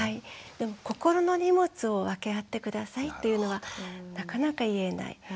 でも心の荷物を分け合って下さいっていうのはなかなか言えない。